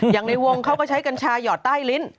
อย่างในวงเขาก็ใช้กัญชาหยอดใต้ลิ้น